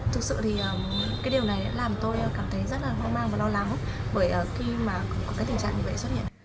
thực sự thì cái điều này đã làm tôi cảm thấy rất là hoang mang và lo lắng bởi khi mà có cái tình trạng như vậy xuất hiện